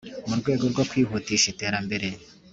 mu rwego rwo kwihutisha iterambere